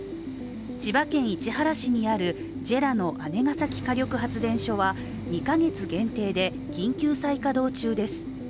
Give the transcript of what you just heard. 千葉県市原市にあるＪＥＲＡの姉崎火力発電所は２カ月限定で、緊急再稼働中です。